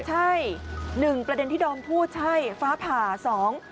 ใช่หนึ่งประเด็นที่ดอมพูดใช่ฟ้าผ่าสอง